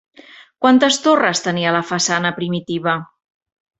Quantes torres tenia la façana primitiva?